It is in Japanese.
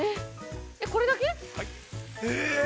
◆これだけ？